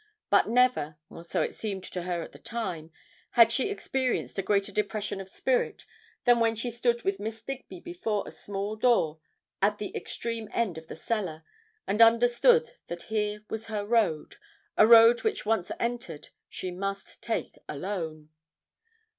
But never or so it seemed to her at the time had she experienced a greater depression of spirit than when she stood with Miss Digby before a small door at the extreme end of the cellar, and understood that here was her road a road which once entered, she must take alone.